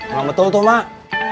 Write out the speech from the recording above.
enggak betul tuh mak